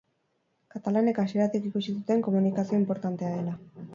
Katalanek hasieratik ikusi zuten komunikazioa inportantea dela.